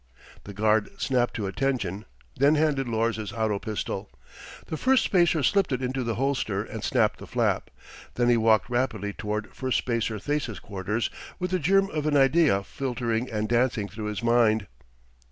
The guard snapped to attention, then handed Lors his auto pistol. The Firstspacer slipped it into the holster and snapped the flap. Then he walked rapidly toward Firstspacer Thesa's quarters with the germ of an idea filtering and dancing through his mind.